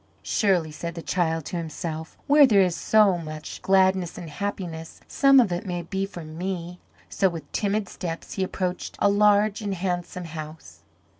"Surely," said the child to himself, "where there is so must gladness and happiness, some of it may be for me." So with timid steps he approached a large and handsome house.